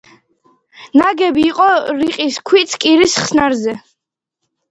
ნაგები იყო რიყის ქვით კირის ხსნარზე.